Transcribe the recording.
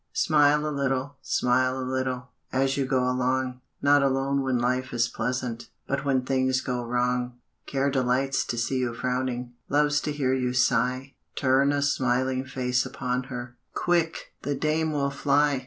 Smile a little, smile a little, As you go along, Not alone when life is pleasant, But when things go wrong. Care delights to see you frowning, Loves to hear you sigh; Turn a smiling face upon her, Quick the dame will fly.